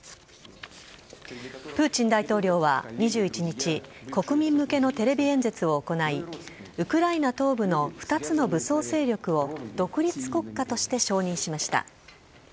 プーチン大統領は２１日、国民向けのテレビ演説を行い、ウクライナ東部の２つの武装勢力を独立国家として承認しました。